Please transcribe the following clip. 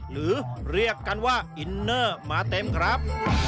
หรือเรียกกันว่าอินเนอร์มาเต็มครับ